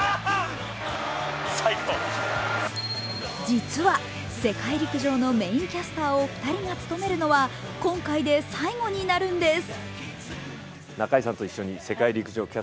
実は、世界陸上のメインキャスターを２人が務めるのは今回が最後になるんです。